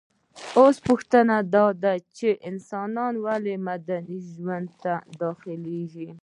اوس پوښتنه داده چي انسان ولي مدني ژوند ته داخليږي؟